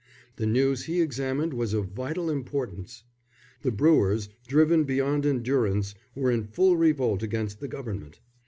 The news he examined was of vital importance. The brewers, driven beyond endurance, were in full revolt against the Government.